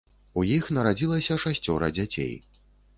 У іх нарадзілася шасцёра дзяцей.